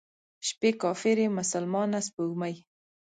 شپې کافرې، مسلمانه سپوږمۍ،